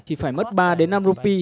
thì phải mất ba năm rupi